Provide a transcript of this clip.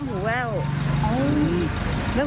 แม่ก็ให้โอกาสแม่